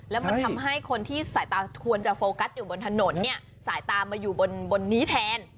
แล้วมันทำให้คนที่สายตาควรจะโฟกัสอยู่บนถนนเนี่ยสายตามาอยู่บนนี้แทน